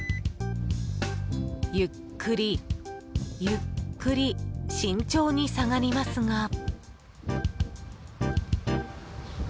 ゆっくりゆっくり慎重に下がりますが。